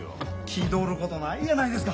気取ることないやないですか。